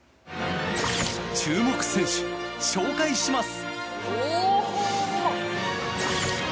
注目選手、紹介します。